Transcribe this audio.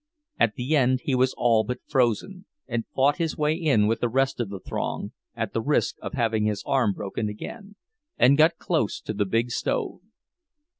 At the end he was all but frozen, and fought his way in with the rest of the throng (at the risk of having his arm broken again), and got close to the big stove.